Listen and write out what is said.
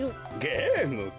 ゲームか。